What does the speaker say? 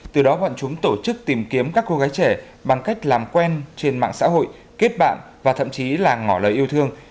từ đó bọn chúng tổ chức tìm kiếm các cô gái trẻ bằng cách làm quen trên mạng xã hội kết bạn và thậm chí là ngỏ lời yêu thương